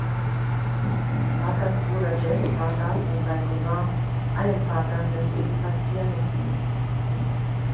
Parkers Bruder James Parker und sein Cousin Ian Parker sind ebenfalls Pianisten.